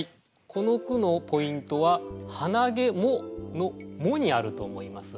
この句のポイントは「はなげも」の「も」にあると思います。